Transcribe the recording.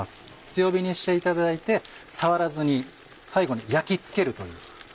強火にしていただいて触らずに最後に焼き付けるという。